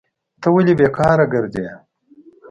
ته ولي بیکاره کرځي؟